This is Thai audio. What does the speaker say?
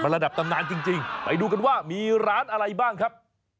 ระดับตำนานจริงไปดูกันว่ามีร้านอะไรบ้างครับ